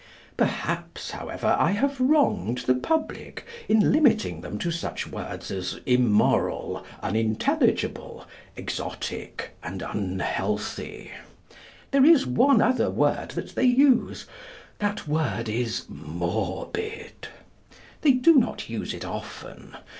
Perhaps, however, I have wronged the public in limiting them to such words as 'immoral,' 'unintelligible,' 'exotic,' and 'unhealthy.' There is one other word that they use. That word is 'morbid.' They do not use it often.